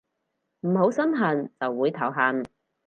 唔好身痕就唔會頭痕